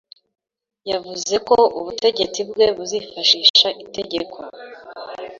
Yavuze ko ubutegetsi bwe buzifashisha itegeko